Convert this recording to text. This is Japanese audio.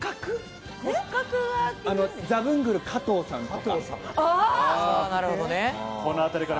ザブングル・加藤さんとか。